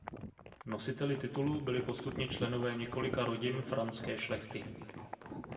Nositeli titulu byli postupně členové několika rodin franské šlechty.